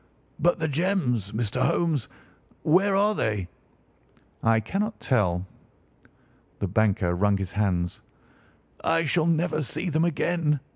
"But the gems, Mr. Holmes. Where are they?" "I cannot tell." The banker wrung his hands. "I shall never see them again!"